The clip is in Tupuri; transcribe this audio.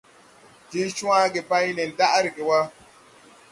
Je cwage bay nen daʼ reege wa.